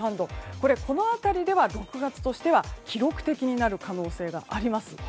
ここの辺りでは６月としては記録的になる可能性があります。